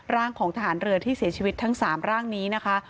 ร่างของทหารเรือที่เสียชีวิตทั้ง๓ร่างนี้นะคะ